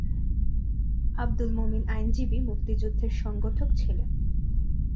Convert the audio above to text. আবদুল মোমিন আইনজীবী, মুক্তিযুদ্ধের সংগঠক ছিলেন।